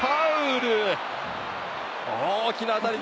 大きな当たりだ！